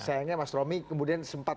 sayangnya mas romi kemudian sempat